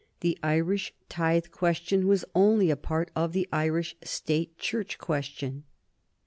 The Irish tithe question was only a part of the Irish State Church question.